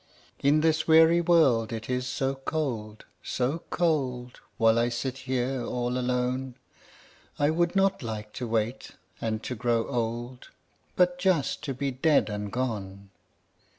In this weary world it is so cold, so cold, While I sit here all alone; I would not like to wait and to grow old, But just to be dead and gone.